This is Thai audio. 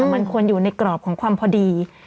มันควรอยู่ในกรอบของความพอดี